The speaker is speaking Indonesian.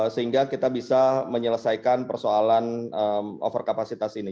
sehingga kita bisa menyelesaikan persoalan overkapasitas ini